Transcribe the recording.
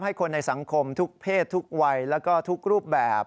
ให้คนในสังคมทุกเพศทุกวัยแล้วก็ทุกรูปแบบ